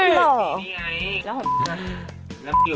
เอา